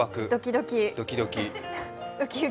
ドキドキ？